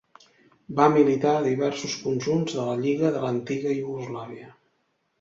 Va militar a diversos conjunts de la lliga de l'antiga Iugoslàvia.